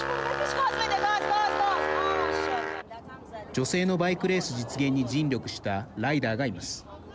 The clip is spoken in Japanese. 女性のバイクレース実現に尽力したライダーがいます。